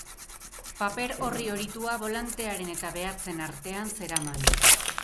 Paper orri horitua bolantearen eta behatzen artean zeraman.